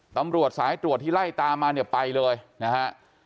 ตำรวจสายตรวจที่ไล่ตามมาเนี่ยไปเลยนะฮะ